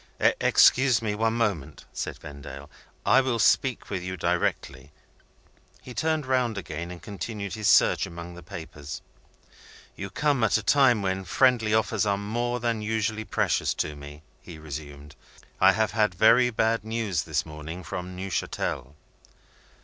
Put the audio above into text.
"Excuse me for one moment," said Vendale; "I will speak to you directly." He turned round again, and continued his search among the papers. "You come at a time when friendly offers are more than usually precious to me," he resumed. "I have had very bad news this morning from Neuchatel."